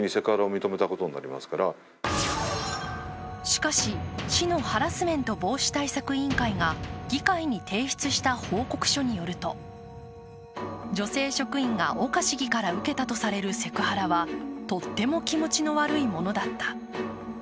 しかし、市のハラスメント防止対策委員会が議会に提出した報告書によると女性職員が岡市議から受けたとされるセクハラはとっても気持ちの悪いものだった。